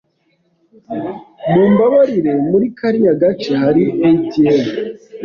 Mumbabarire, muri kariya gace hari ATM?